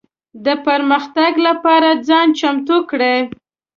د پرمختګ لپاره ځان چمتو کړي.